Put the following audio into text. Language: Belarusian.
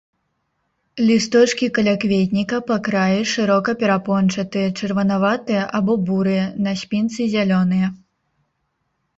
Лісточкі калякветніка па краі шырока перапончатыя, чырванаватыя або бурыя, на спінцы зялёныя.